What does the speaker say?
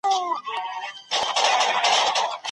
که په کور کې زده کړه وي نو خنډ نه پیدا کیږي.